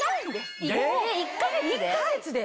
１か月で？